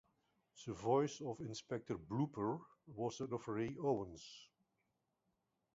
The voice of Inspector Blooper was that of Ray Owens.